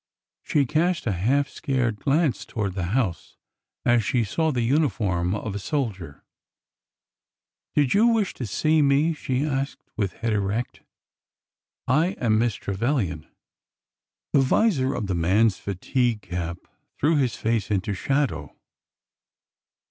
She cast a half scared glance toward the house as she saw the uniform of a soldier. '' Did you wish to see me ?'' she asked, with head erect. I am Miss Trevilian.'' The visor of the man's fatigue cap threw his face into shadow.